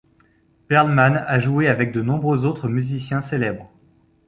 Perlman a joué avec de nombreux autres musiciens célèbres.